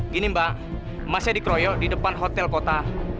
gini mbak masnya di keroyok di depan hotel kota